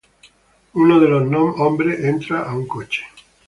Uno de los hombres entra a un coche.